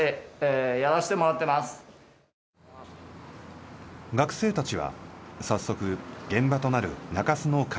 学生たちは早速現場となる中洲の歓楽街へと。